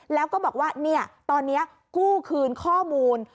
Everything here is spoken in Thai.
แล้วก็บอกว่าตอนนี้กู้คืนข้อมูล